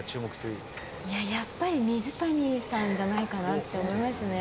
いややっぱり水谷さんじゃないかなって思いますね。